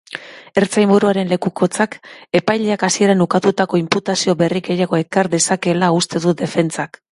Ertzainburuaren lekukotzak epaileak hasieran ukatutako inputazio berri gehiago ekar dezakeela uste du defentsak.